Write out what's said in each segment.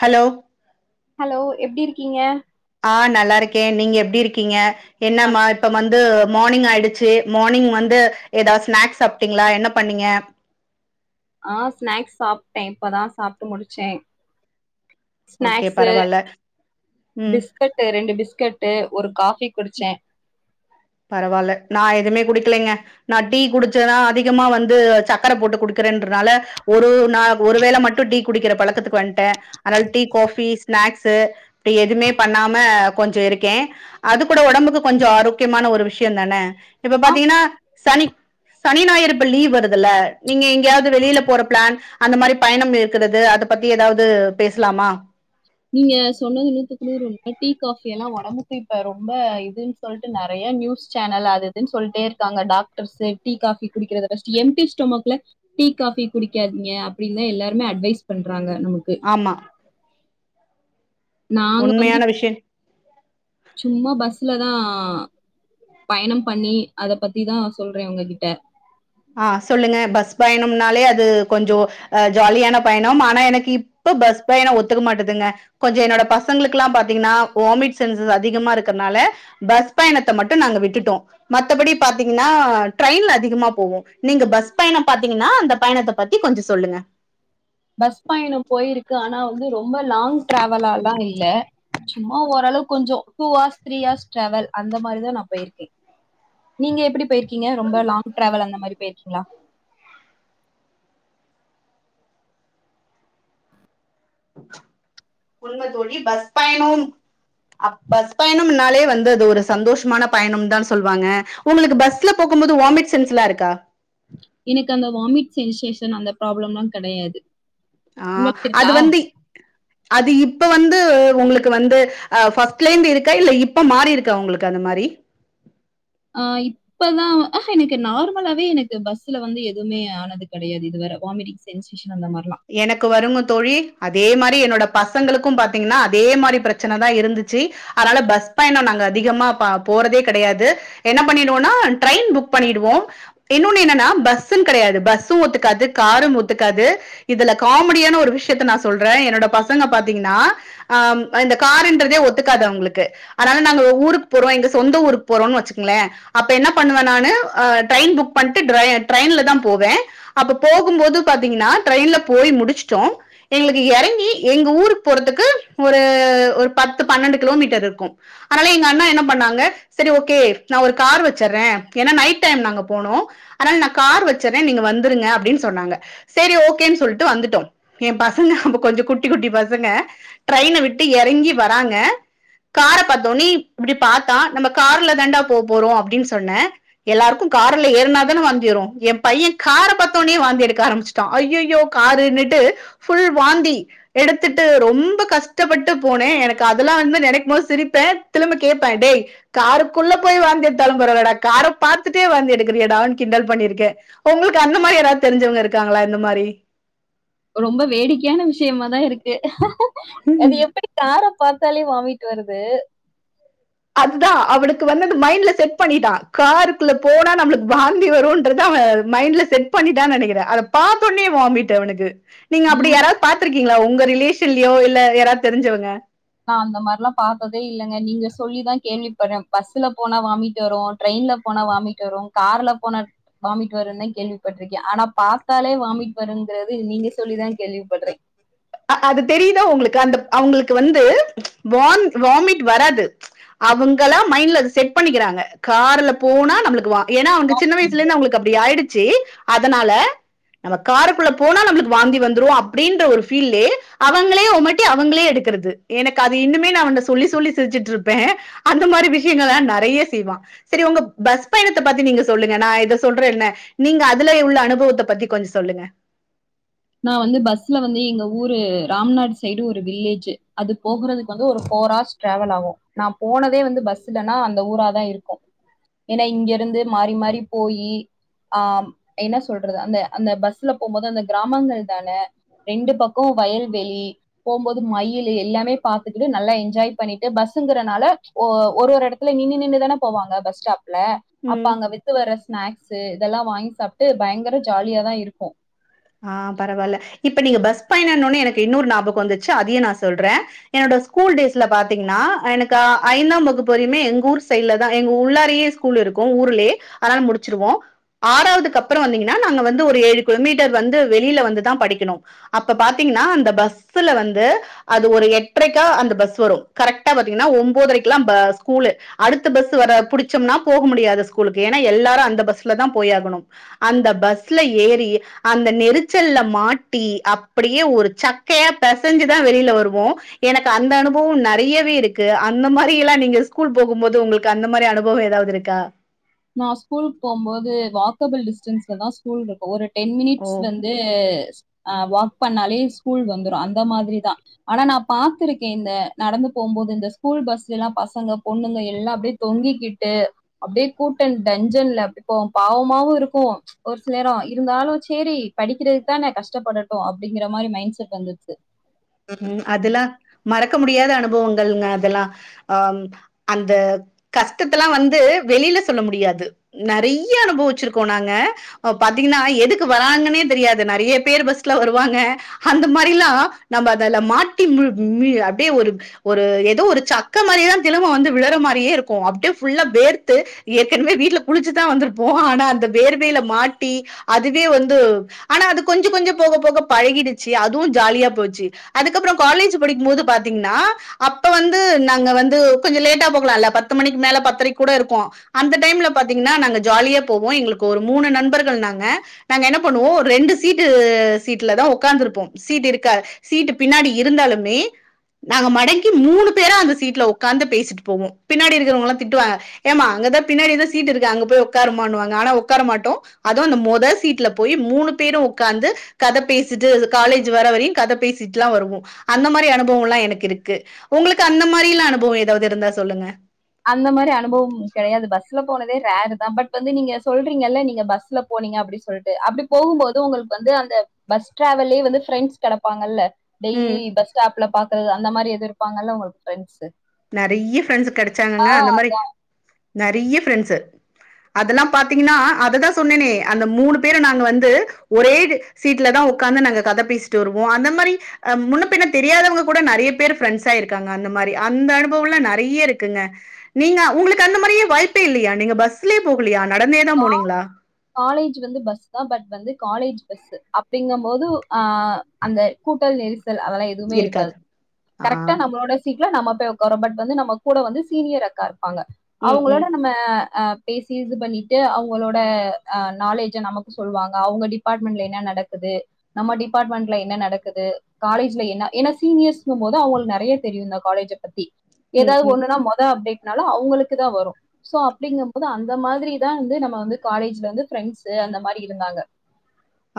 Hello hello எப்டி இருக்கீங்க ஆ நல்லா இருக்கே நீங்க எப்டி இருக்கீங்க என்னாம்மா இப்ப வந் து மார்னிங் ஆயிடுச்சு மார்னிங் வந்து ஏதா ஸ்நாக்ஸ் சாப்ட்டீங்களா என்ன பண்ணீங்க ஆ ஸ்நாக்ஸ் சாப்ட்டே இப்பதா சாப்ட்டு முடிச்சே ஓகே ஸ்நாக்ஸ்ஸு பரவால்ல. ம். பிஸ்கெட்டு ரெண்டு பிஸ் கெட்டு ஒரு கா ஃபி குடிச்சே பரவால்ல நா எதுமே குடிக்கலைங்க நா டீ குடிச்சுதா அதிகமா வந்து சக்கர போட்டு குடுக்குறேன்றனால ஒரு நா ஒரு வேள மட்டு டீ குடிக்கிற பழக்கத்துக்கு வந்ட்டே அதாது டீ காஃபி ஸ்நாக்ஸ் ஸு இப்டி எதுமே பண்ணாம கொஞ்சோ இருக்கே அது கூட ஒடம்புக்கு கொஞ்சோ ஆரோ க்கியமான ஒரு விஷ்யோ தானே இப்ப ஆ பாத்தீங்கன்னா சனி சனி ஞாயறு இப்ப லீவ் வருதுல்ல நீங்க எங்கேயாது வெளில போற ப்ளான் அந்த மாரி பயணம் இருக்குறது அத பத்தி ஏதாவது பேச்லாமா நீங்க சொன்னது நூத்துக்கு நூறு உண்ம டீ காஃபி எல்லா ஒடம்புக்கு இப்ப ரொம்ப இதுன்னு சொல்ட்டு நெறைய நியூஸ் சேனல் அது இதுன்னு சொல்ட்டே இருக்காங்க டாக்டர்ஸ்ஸு டீ காஃபி குடிக்றத ஃபஸ்ட்டு எம் டி ஸ்டொமக்ல டீ காஃபி குடிக்காதிங்க அப்டின்தா எல்லாருமே அட்வைஸ் பண்றாங்க நமக்கு ஆமா நாங்க வந்து உண்மையான விஷ்யோ சும்மா பஸ்ல தா பயணம் பண்ணி அத பத்திதா சொல்றே உங்ககிட்ட ஆ சொல்லுங்க பஸ் பயணம்னாலே அது கொஞ்சோ ஆ ஜாலியான பயணம் ஆனா எனக்கு இப்ப பஸ் பயணோ ஒத்துக்க மாட்டதுங்க கொஞ்சோ என்னோட பசங்களுக்குல்லா பாத்தீங்கன்னா வாமிட் சென்சஸ் அதிகமா இருக்குறனால பஸ் பயணத்த மட்டு நாங்க விட்டுட்டோ மத்தபடி பாத்தீங்கன்னா ட்ரெயின்ல அதிகமா போவோ நீங்க பஸ் பயணம் பாத்தீங்கன்னா அந்த பயணத்த பத்தி கொஞ்சோ சொல்லுங்க பஸ் பயணம் போயிருக்கே ஆனா வந்து ரொம்ப லாங் ட்ராவலால்லா இல்ல சும்மா ஓரளவு கொஞ்சோ two hours three hours travel அந்த மாரிதா நா போய்ருக்கே நீங்க எப்டி போய்ருக் கீங்க ரொம்ப லாங் ட்ராவல் அந்த மாரி போய் இருக்கிங்ளா உண்ம தோழி பஸ் பயணோ அ பஸ் பயணம்னாலே வந்து அது ஒரு சந்தோஷமான பயணம் தா சொல்லுவாங்க உங்களுக்கு பஸ்ல போகும்போது வாமிட் சென்ஸ்லா இருக்கா எனக்கு அந்த வாமிட் சென்சேஷன் அந்த ப்ராப்ளம்லா கெடையாது ஆ உங்களுக்கு அது இருக்கா வந்து அது இப்ப வந்து உங்களுக்கு வந்து ஆ ஃபஸ்ட்லேந்து இருக்கா இல்ல இப்ப மாறி இருக்கா உங்களுக்கு அந்த மாரி ஆ இப்ப தா ஆஹ்ஹா எனக்கு நார்மலாவே எனக்கு பஸ்ல வந்து எதுவுமே ஆனது கெடையாது இதுவர வாமிட்டிங் சென்சேஷன் அந்த மாரிலா எனக்கு வருங்க தோழி அ தே மாரி என்னோட பசங்களுக்கு பாத்தீங்கன்னா அதே மாரி பிரச்சன தா இருந்துச்சு அதனால பஸ் பயணோ நாங்க அதிகமா ப போறதே கெடையாது என்ன பண்ணிடுவோனா ட்ரெயின் புக் பண்ணிடுவோ இன்னொன்னு என்னன்னா பஸ்ஸுனு கெடையாது பஸ்ஸூ ஒத்துக்காது காரு ஒத்துக்காது இதுல காமெடியான ஒரு விஷயத்த நா சொல்றே என்னோட பசங்க பாத்தீங்கன்னா ஆம் இந்த காருன்றதே ஒத்துக்காது அவுங்களுக்கு அதனால நாங்க ஊருக்கு போறோ எங்க சொந்த ஊருக்கு போறோன்னு வச்சுக்கோங்களே அப்ப என்ன பண்ணுவே நானு ஆ ட்ரெயின் புக் பண்ணிட்டு ட்ர ட்ரெயின்ல தா போவே அப்ப போகும்போது பாத்தீங்கன்னா ட்ரெய்ன்ல போய் முடிச்ட்டோ எங்களுக்கு எறங்கி எங்க ஊருக்கு போறதுக்கு ஒரு ஒரு பத்து பன்னெண்டு கிலோமீட்டர் இருக்கு அதனால எங்க அண்ணா என்ன பண்ணாங்க செரி ஓகே நா ஒரு கார் வச்சுறே ஏன்னா நைட் டைம் நாங்க போனோ அதனால நா கார் வச்சுறே நீங்க வந்துருங்க அப்டினு சொன்னாங்க செரி ஓ கேன் சொல்ட்டு வந்துட்டோ எ பசங்க அப்போ கொஞ்சோ குட்டி குட்டி பசங்க ட்ரெயின விட்டு எறங்கி வராங்க கார பாத்தோனே இப்டி பாத்தா நம்ம கார்ல தாண்டா போ போறோ அப்டின்னு சொன்னே எல்லாருக்கு கார்ல ஏறுனாதானே வாந்தி வரு எ பைய கார பாத்தோனே வாந்தி எடுக்க ஆரம்பிச்சுட்டா ஐயோ யோ காருனுட்டு ஃபுல் வாந்தி எடுத்துட்டு ரொம்ப கஷ்டப்பட்டு போனே எனக்கு அதெல்லா வந்து நெனைக்கும் போது சிரிப்பே திரும்ப கேப்பே டேய் காருக்குள்ள போய் வாந்தி எடுத்தாலு பரவால்லடா கார பாத்துட்டே வாந்தி எடுக்குறியேடானு கிண்டல் பண்ணிருக்கே உங்களுக்கு அந்த மாரி ஏதாவது தெரிஞ்சவங்க இருக்காங்களா இந்த மாரி ரொம்ப வேடிக்கையான விஷ்யமாதா இருக்கு ம், அது எப்டி கார பாத்தாலே வாமிட் வருது அதா அவனுக்கு வந்து அந்த மைண்ட்ல செட் பண்ணிட்டா காருக்குள்ள போனா நம்ளுக் வாந்தி வருன்றது அவ மைண்ட்ல செட் பண்ணிட்டான்னு நெனக்குறே அத பாத்தோனே வாமிட் அவனுக்கு நீங்க அப்டி ம் யாராவது பாத்திருக்கீங்களா உ உங்க ரிலேஷன்லயோ இல்ல யாரா தெரிஞ்சவங்க நா அந்த மாரி லா பாத்ததே இல்லங்க நீங்க சொல்லிதா கேள்விப்பட்றே பஸ்ஸூல போனா வாமிட் வரூ ட்ரெயின்ல போனா வாமிட் வரூ கார்ல போனா வாமிட் வரூ தா கேள்விப்பட்டிருக்கே ஆனா பாத்தாலே வாமிட் வரூங்கறது நீங்க சொல்லிதா கேள்விப்பட்றே அது தெரிதா உங்களுக்கு அந்த அவுங்களுக்கு வந்து வா வாமிட் வராது அவுங்களா மைண்ட்ல அத செட் பண்ணிக்கிறாங்க கார்ல போனா நம்மளுக்கு வா ஏன்னா அவுங்க சின்ன வயசுலந்தே அவுங்களுக்கு அப்டி ஆயிடு சி அதனால நம்ம காருக்குள்ள போனா நம்மளுக்கு வாந்தி வந்துரு அப்படின்ற ஒரு ஃபீல் அவங்களே உமட்டி அவங்களே எடுக்குறது எனக்கு அது இன்னுமே நான் உ சொல்லி சொல்லி சிரிச்சுட்டு இருப்பே அந்த மாரி விஷயங்கள்லாம் நெறய செய்வான் செரி உங்க பஸ் பயணத்தை பத்தி நீங்க சொல்லுங்க நான் இத சொல்றே என்ன நீங்க அதுல உள்ள அனுபவத்தை பத்தி கொஞ்சோ சொல்லுங்க நான் வந்து பஸ்ல வந்து எங்க ஊரு ராம்நாடு சைடு ஒரு வில்லேஜு அது போகுறதுக்கு வந்து ஒரு ஃபோர் ஹர்ஸ் டிரவல் ஆகு நான போனதே வந்து பஸ்லனா அந்த ஊரா தான் இருக்கூ ஏன்னா இங்க இருந்து மாரி மாரி போயி ஆ என்ன சொல்றது அந்த அந்த பஸ்ல போம்போது அந்த கிராமங்கள் தான ரெண்டு பக்கம் வயல்வெளி போம்போது மயிலு எல்லாமே பாத்துக்கிட்டு நல்லா என்ஜாய் பண்ணிட்டு பஸ்சுகிறனால ஒரு ஒரு இடத்தல நின்னு நின்னு தான போவாங்க பஸ் ஸ்டாப் ல அப்ப அங்க வித்து வர ஸ்நாக்ஸு இதெல்லா வாங்கி சாப்ட்டு பயங்கர ஜாலியாதா இருக்கூ ஆ பரவால்ல இ ப்ப நீங்க பஸ் பயணம்னோனே எனக்கு இன்னொரு ஞாபகம் வந்துச்சு அதயும் நா சொல்றே என்னோட ஸ்கூல் டேஸ்ல பாத்தீங்கன்னா எனக்கு ஐந்தாம் வகுப்புரியமே எங்க ஊர் சைடல தா எங்க உள்ளாரே ஸ்கூல் இருக்கும் ஊர்லே அத முடிச்சிருவோம் ஆறாவதுக்கு அப்பறோ வந்திங்கனா நாங்க வந்து ஒரு ஏழு கிலோமீட் டர் வந்து வெளில வந்துதான் படிக்கணும் அப்ப பாத்தீங்கன்னா அந்த பஸ்ல வந்து அது ஒரு எட்டரைக்கா அந்த பஸ் வரும் கரெக்டா பாத்தீங்கன்னா ஒன்பதரைக்கு எல்லாம் பஸ் ஸ்கூல் அடுத்த பஸ் வர புடிச்சம்னா போக முடியாது ஏனா எல்லாரும் அந்த பஸ்ல தான் போயாகணு அந்த பஸ்ல ஏறி அந்த நெரிச்சல்ல மாட்டி அப்டியே ஒரு சக்கையா பிசஞ்சுதான் வெளில வருவோ எனக்கு அந்த அனுபவம் நெறயவே இருக்கு அந்த மாரி எல்லாம் நீங்க ஸ்கூல் போகும்போது உங்களுக்கு அந்த மாரி அனுபவோ ஏதாவது இருக்கா நான் ஸ்கூல் போம்போது வாக்கபுள் டிஸ்டன்ஸ்ல தா ஸ்கூல் இருக்கூ ஒரு டென் மினிட்ஸ் ஓ! வந்து அ வாக் பண்ணாலே ஸ்கூல் வந்துரும் அந்த மாரிதா ஆனா நான் பாத்துருக்கே இந்த நடந்து போம்போது இந்த ஸ்கூல் பஸ்ல எல்லாம் பசங்க பொண்ணுங்க எல்லாம் அப்டியே தொங்கிக்கிட்டு அப்படியே கூட்டன் டஞ்சன்ல அப்டிப்போ பாவமாவு இருக்கூ ஒரு சில நேரம் இருந்தாலும் சேரி படிக்கிறதுக்கு தான கஷ்டப்படட்டும் அப்படிங்கிற மாரி மைண்ட் செட் வந்துருச்சு ம் அதெல்லா மரக் றக்க முடியாத அனுபவங்கள்ங்க அதெல்லா அ அந்த கஷ்டத்தல்லா வந்து வெளில சொல்ல முடியாது நெறய அனுபவச்சிருக்கோம் நாங்க பாத்தீங்கன்னா எதுக்கு வராங்கன்னே தெரியாது நெறய பேர் பஸ்ல வருவாங்க அந்த மாரிலா நம்ப அதல மாட்டி அப்படியே ஒரு ஒரு ஏதோ ஒரு சக்க மாரிதான் தினமும் வந்து விழற மாரியே இருக்கும் அப்படியே ஃபுல்லா வேர்த்து ஏற்கனவே வீட்ல குளிச்சுதான் வந்திருப்போம் ஆனா அந்த வேர்வியல மாட்டி அதுவே வந்து ஆனா அது கொஞ்சோ கொஞ்சோ போக போக பழகிடுச்சு அதுவும் ஜாலியா போச்சு அதுக்கப்பறம் காலேஜ் படிக்கும் போது பாத்தீங்கன்னா அப்ப வந்து நாங்க வந்து கொஞ்சோ லேட்டா போக்கலாம்ல்ல பத்து மணிக்கு மேல பத்தரைக்கு கூட இருக்கோம் அந்த டைம்ல பாத்தீங்கன்னா நாங்க ஜாலியா போவோ எங்களுக்கு ஒரு மூணு நண்பர்கள் நாங்க நாங்க என்ன பண்ணுவோ ரெண்டு சீட்டு சீட்லதா உட்கார்ந்து இருப்போம் சீட் இருக்க சீட்டு பின்னாடி இருந்தாலுமே நாங்க மடக்கி மூணு பேர அந்த சீட்ல உட்காந்து பேசிட்டு போவோ பின்னாடி இருக்கிறவங்கல்லா திட்டுவாங்க ஏமா அங்கதான் பின்னாடிதான் சீட் இருக்கு அங்க போய் உட்காருமானு வாங்க ஆனா உட்கார மாட்டோ அதுவு அந்த மொத சீட்ல போய் மூணு பேரு உட்காந்து கத பேசிட்டு காலேஜ் வர வரையு கத பேசி ட்டுல வருவோ அந்த மாரி அனுபவம்ல்லா எனக்கு இருக்கு உங்களுக்கு அந்த மாரிலா அனுபவோ ஏதாவது இருந்தா சொல்லுங்க அந்த மாரி அனுபவோ கெடயாது பஸ்ல போனதே ரேரு தான் பட் வந்து நீங்க சொல்றீங்கல்ல நீங்க பஸ்ல போனீங்க அப்டின்னு சொல்லிட்டு அப்டி போகும்போது உங்களுக்கு வந்து அந்த பஸ் டிரவல்லே வந்து பிரெண்ட்ஸ் கெடப்பாங்கல்ல ம் டெய்லியு பஸ் ஸ்டாப்ல பாக் அந்த மாரி எதோ இருப்பாங்கல்ல உங்களுக்கு பிரெண்ட்ஸ் நெறய ஃரெண்ட்ஸ் கெட ச்சாங்கங்க அந்த மாரி நெறய ஃப்ரெண்ட்ஸு அதெல்லாம் பாத்தீங்கன்னா அது தான் சொன்னேனே அந்த மூணு பேரு நாங்க வந்து ஒரே சீட்லதா உட்காந்து நாங்க கத பேசிட்டு வருவோ அந்த மாரி முன்ன பின்ன தெரியாதவங்க கூட நெறய பேர் ஃப்ரெண்ட்ஸா இருக்காங்க அந்த மாரி அந்த அனுபவம்ல நெறய இருக்குங்க நீங்க உங்களுக்கு அந்த மாரியே வாய்ப்பே இல்லையா நீங்க பஸ்லேயே போகலயா நடந்தே தா போனிங்ளா காலேஜ் வந்து பஸ் தான் பட் வந்து காலேஜ் பஸ் அப்டிங்கூ போது அந்த கூட்டல் நெரி அதெல்லா எதுவுமே இருக்காது ஆ கரெக்டா நம்மளோட சீட் ல நம்ம போய் உட்காரோ பட் வந்து நம்ம கூட வந்து சீனியர் அக்கா இருப்பாங்க ம் அவுங்களோட ம் நம்ம அ பேசி இது பண்ணி ட்டு அவங்களோட அ நாலேஜ நமக்கு சொல்லுவாங்க அவங்க டிபார்ட்மெண்ட்ல என்ன நடக்குது நம்ம டிபார்ட்மெண்ட்ல என்ன நடக்குது காலேஜ்ல என்ன ஏன்னா சீனியர்ஸ்ங்கும் போது அவங்களுக்கு நெறய தெரியு இந்த காலேஜ பத்தி ம் ஏதாவது ம் ஒண்ணுன்னா மொத அப்டேட் னால அவங்களுக்கு தா வரு சோ அப்டிங்கும் போது அந்த மாதிரி தா வந்து நம்ம வந்து காலேஜ்ல வந்து பிரெண்ட்ஸு அந்த மாரி இருந்தாங்க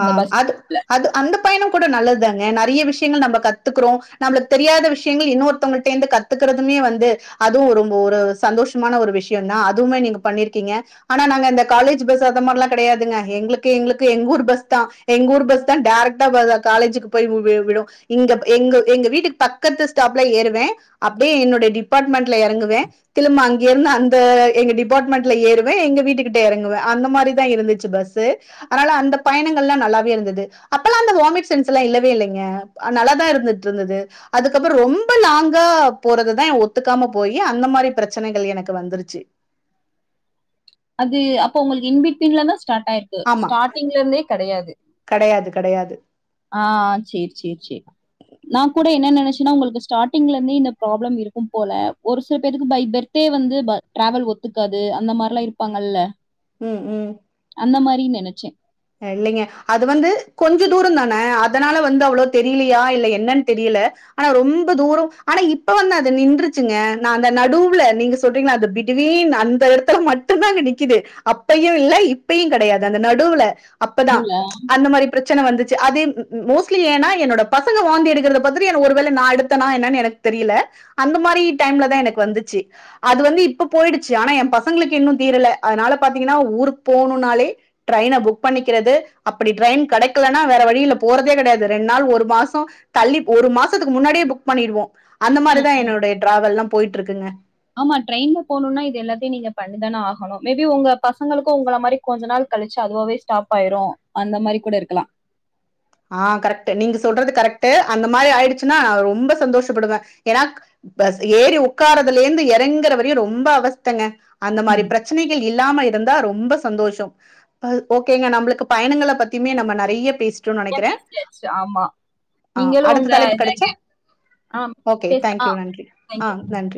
இந்த ஆம் பஸ் அது அது அந்த பயணம் கூட நல்லதுதா நெறய விஷயங்கள் நம்ம கத்துக்கிறோம் நம்மளுக்கு தெரியாத விஷயங்கள் இன்னொருத்தவங்கள்ட்ட இருந்து கத்துக்கறதுமே வந்து அதுவு ஒரு ரொம்ப சந்தோஷமான ஒரு விஷயந்தா அதுவுமே நீங்க பண்ணிருக்கீங்க ஆனா நாங்க இந்த காலேஜ் பஸ் அ மாரிலா கெடையாதுங்க எங்களுக்கு எங்களுக்கு எங்கூர் பஸ் தா எங்க ஊர் பஸ் தா டேரக்டா வா காலேஜுக்கு போய் வ் வ விடும் ங்க எ எங்க வீட்டுக்கு பக்கத்து ஸ்டாப்ல ஏறுவே அப்டியே என்னுடைய டிபார்ட்மெண்ட்ல எறங்குவே திரும்ப அங்க இருந்து அந்த எங்க டிபார்ட்மெண்ட்ல ஏறுவே எங்க வீட்டு கிட்ட எறங்குவே அந்த மாரிதா இருந்துச்சு பஸ் அதனால அந்தப் பயணங்கள்லா நல்லாவே இருந்தது அப்பல்லா அந்த வாமிட் சென்ஸ் எல்லா இல்லவே இல்லைங்க அது நல்லாதா இருந்துட்ருந்தது அதுக்கப்புற ரொம்ப லாங்கா போறததா எ ஒத்துக்காம போயி அந்த மாரி பிரச்சனைகள் எனக்கு வந்துருச்சு அது அப்ப உங்களுக்கு இன்பிட்வீன்ல தா ஸ்டார்ட்டாருக்கு ஆமா. ஸ்டாட்டிங்ல இருந்தே கெடையாது கிடையாது, கிடையாது. ஆ சேர் சேர் சேர் நா கூட என்ன நெனைச்சுன்னா உங்களுக்கு ஸ்டார்டிங்ல இருந்தே இந்த ப்ராப்ளம் இருக்கும் போல ஒரு சில பேருக்கு பை பெர்தே வந்து ப டிராவல் ஒத்துக்காது அந்த மாரிலா இரு பாங்கல்ல ம் ம் அந்த மாரி நெனச்சே அ இல்லைங்க அது வந்து கொஞ்ச தூரந்தான அதனால வந்து அவ்வளவு தெரியலையா இல்ல என்னன் தெரியல ஆனா ரொம்ப தூரோ ஆனா இப்ப வந்து அது நின்றுச்சுங்க நா அந்த நடுவுல நீங்க சொல்றீங்களா அந்த பிட்வீன் அந்த எடத்துல மட்டுந்தாங்க நிக்குது அப்பையு இல்ல இப்பையு கெடையாது அந்த நடுவுல அப்பதா இதுல அந்த மாரி ப்ரச் பிரச்சன வந்துச்சு அதே ம் ம் மோஸ்ட்லி ஏன்னா என்னோட பசங்க வாந்தி எடுக்குரத பாத்துட்டு எனக்கு ஒருவேள நா எடுத்தனா என்னனு எனக்கு தெரியல அந்த மாரி டைம் ல தான் எனக்கு வந்துச்சி அது வந்து இப்ப போய்டுச்சு ஆனா ஏ பசங்களுக்கு இன்னு தீரல அதனால பாத்தீங்கன்னா ஊருக்கு போனும்நாளே ட்ரெய்ன புக் பண்ணிக்கிறது அப்படி ட்ரெயின் கெடைக்கலன்னா வேற வழியில போறதே கெடயாது ரெண்டு நாள் ஒரு மாச தள்ளி ஒரு மாசத்துக்கு முன்னாடியே புக் பண்ணிடுவோ ம் ம் ஆமா ட்ரெயின்ல போணும்னா இது எல்லாத்தையு நீங்க பண்ணிதான ஆகணு மேபி உங்க பசங்களுக்கு உங்கள மாரி கொஞ்ச நாள் கழிச்சு அதுவாவே ஸ்டாப் ஆயிரு அந்த மாரி கூட இருக்கலா ஆ கரெக்ட் நீங்க சொல்றது கரெக்ட் அந்த மாரி ஆயிடுச்சுன்னா ரொம்ப சந்தோஷப்படுவே ஏன்னா க ஏறி ஒக்காரதுல இருந்து இறங்குற வரையு ரொம்ப அவஸ்தங்க அந்த மாரி ம். பிரச்சனைகள் இல் இல்லாம இருந்தா ரொம்ப சந்தோஷ ஓகேங்க நம்மளுக்கு பயணங்கள பத்தியுமே நம்ம நெறைய பேசி நெறையா பேசியாச்சி ஆமா ஆ, நீங்களு அடுத்த உங்க தலைப்பு கிடைச்சா இதா அம் ஓகே பே அ தேங்க்யூ நன்றி ஆ நன்றி